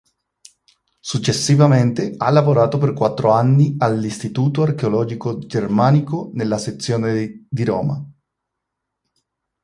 Successivamente ha lavorato per quattro anni all'Istituto archeologico germanico nella sezione di Roma.